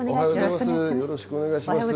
よろしくお願いします。